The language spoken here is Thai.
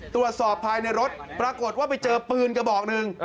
ตรวจสอบภายในรถปรากฏว่าไปเจอปืนกระบอกหนึ่ง